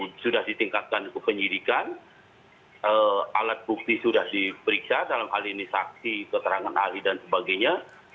yang sudah ditingkatkan ke penyidikan alat bukti sudah diperiksa dalam hal ini saksi keterangan ahli dan sebagainya